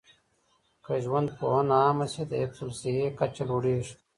که ژوندپوهنه عامه شي، د حفظ الصحې کچه لوړيږي.